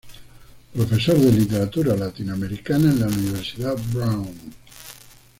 Profesor de Literatura Latinoamericana en la Universidad Brown.